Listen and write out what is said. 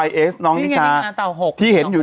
เดี๋ยว